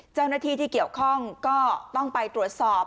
เจ้าหน้าที่ที่เกี่ยวข้องก็ต้องไปตรวจสอบ